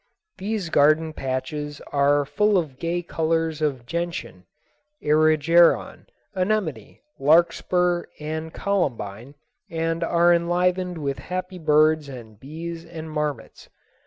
These garden patches are full of gay colors of gentian, erigeron, anemone, larkspur, and columbine, and are enlivened with happy birds and bees and marmots.